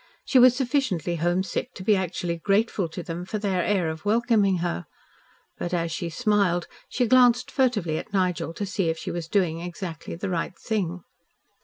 She was sufficiently homesick to be actually grateful to them for their air of welcoming her. But as she smiled she glanced furtively at Nigel to see if she was doing exactly the right thing.